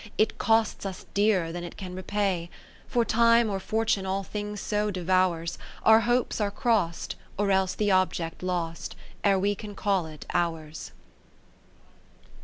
It costs us dearer than it can repay. For Time or Fortune all things so devours ; Our hopes are crost, 10 Or else the object lost. Ere we can call it ours.